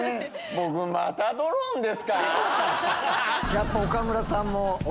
やっぱ岡村さんも。